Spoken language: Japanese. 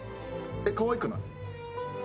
えっかわいくない？